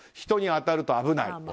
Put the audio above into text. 人に当たると危ない。